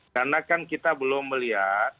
karena kan kita belum melihat